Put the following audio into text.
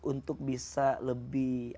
untuk bisa lebih